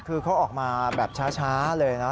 คือเขาออกมาแบบช้าเลยนะ